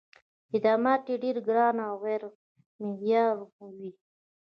خدمات یې ډېر ګران او غیر معیاري وي.